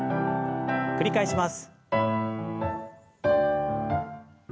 繰り返します。